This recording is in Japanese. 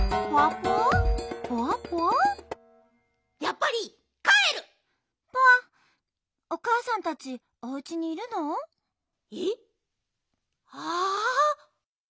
ぽわおかあさんたちおうちにいるの？え？ああ。